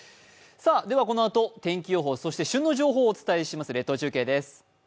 ではこのあと天気予報、そして旬の情報をお伝えします列島中継です。